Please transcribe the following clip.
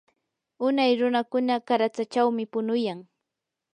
unay runakuna qaratsachawmi punuyan.